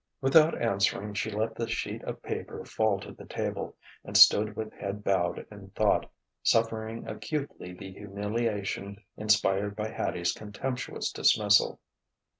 Without answering, she let the sheet of paper fall to the table, and stood with head bowed in thought, suffering acutely the humiliation inspired by Hattie's contemptuous dismissal.